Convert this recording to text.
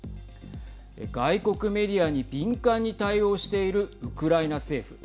外国メディアに敏感に対応しているウクライナ政府。